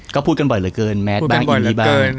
ก็พูดกันบ่อยเหลือเกินแมสบ้างอีลี่บ้าง